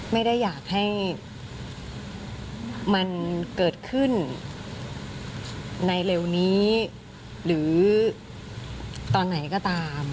ไม่ได้อยากให้มันเกิดขึ้นในเร็วนี้หรือตอนไหนก็ตาม